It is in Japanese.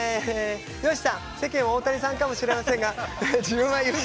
世間は大谷さんかもしれませんが自分はゆず。